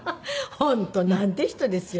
本当なんて人ですよ。